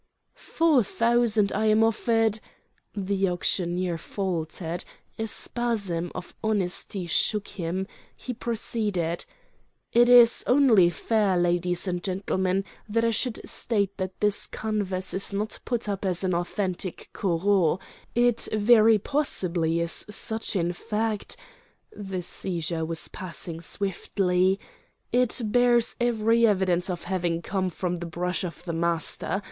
"Four thousand I am offered ..." The auctioneer faltered, a spasm of honesty shook him, he proceeded: "It is only fair, ladies and gentlemen, that I should state that this canvas is not put up as an authentic Corot. It very possibly is such, in fact"—the seizure was passing swiftly—"it bears every evidence of having come from the brush of the master.